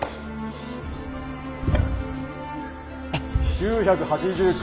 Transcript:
９８９。